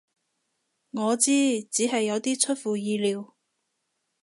我知，只係有啲出乎意料